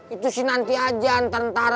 itu sih nanti aja